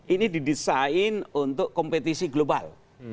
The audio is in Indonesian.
ini didesain untuk kompetisi global